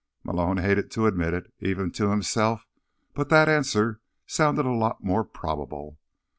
Malone hated to admit it, even to himself, but that answer sounded a lot more probable.